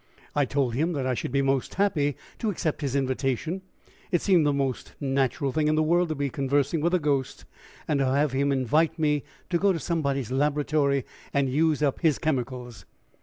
I told him that I should be most happy to accept his invitation; it seemed the most natural thing in the world to be conversing with a ghost and to have him invite me to go to somebody's laboratory and use up his chemicals.